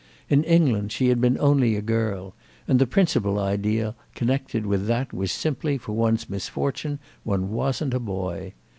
In England she had been only a girl, and the principal idea connected with that was simply that for one's misfortune one wasn't a boy.